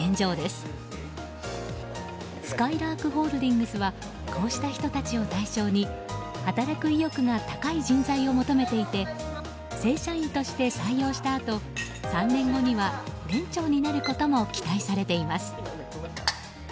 すかいらーくホールディングスはこうした人たちを対象に働く意欲が高い人材を求めていて正社員として採用したあと３年後には、店長になることも期待されています。